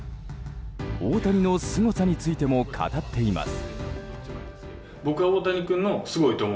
大谷のすごさについても語っています。